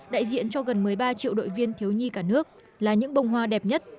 đại diện cho gần một mươi ba triệu đội viên thiếu nhi cả nước là những bông hoa đẹp nhất